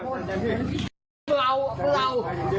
ขวาจริง